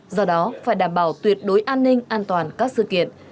do đó phải đảm bảo tuyệt đối an ninh an toàn các sự kiện